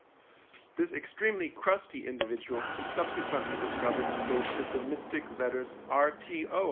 This extremely crusty individual he subsequently discovered boasted the mystic letters R. T. O.